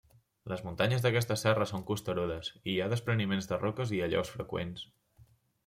Les muntanyes d'aquesta serra són costerudes, i hi ha despreniments de roques i allaus freqüents.